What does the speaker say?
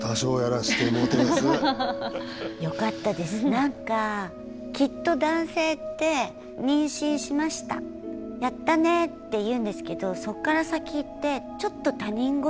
何かきっと男性って妊娠しました「やったね」って言うんですけどそっから先ってちょっと他人事っぽくなるっていうか。